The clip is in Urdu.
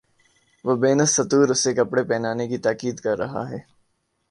وہ بین السطور اسے کپڑے پہنانے کی تاکید کر رہا ہے۔